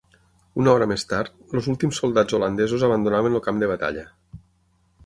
Una hora més tard, els últims soldats holandesos abandonaven el camp de batalla.